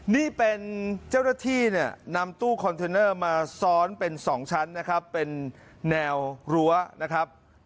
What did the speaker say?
นี่เป็นเจ้าหน้าที่เนี่ยนำตู้คอนเทนเนอร์มาซ้อนเป็น๒ชั้นนะครับเป็นแนวรั้วนะครับ